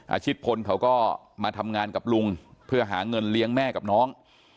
ชิตพลเขาก็มาทำงานกับลุงเพื่อหาเงินเลี้ยงแม่กับน้อง